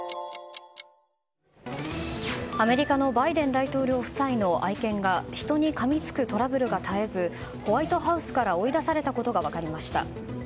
アメリカのバイデン大統領夫妻の愛犬が人にかみつくトラブルが絶えずホワイトハウスから追い出されたことが分かりました。